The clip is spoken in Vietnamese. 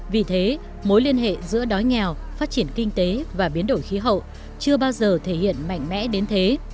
vì thế mối liên hệ giữa đói nghèo phát triển kinh tế và biến đổi khí hậu chưa bao giờ thể hiện mạnh mẽ đến thế